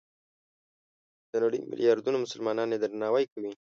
د نړۍ ملیاردونو مسلمانان یې درناوی کوي.